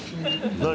何？